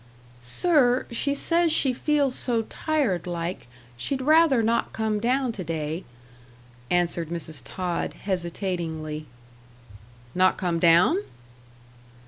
"Sir, she says she feels so tired like, she'd rather not come down to day," answered Mrs. Tod, hesitatingly. "Not come down?"